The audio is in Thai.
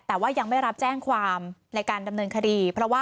ส่วนเรื่องทางทางคดีนี่นะคะ